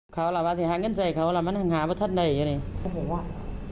เขาล่ะว่าจะหาเงินใส่เขาล่ะมันหาว่าทัดไหนอ่ะนี่โอ้โหว่า